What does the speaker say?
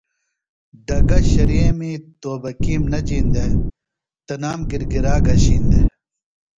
ڈگہ، شریمی توبکِیم نہ جِین دےۡ تنام گِرگِرا گھشِین دےۡ۔